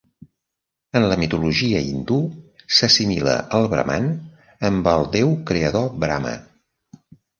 En la mitologia hindú, s'assimila el braman amb el déu creador Brama.